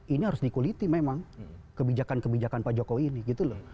ini harus dikuliti memang kebijakan kebijakan pak jokowi ini gitu loh